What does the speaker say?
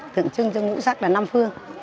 thực chừng cho ngũ sắc là năm phương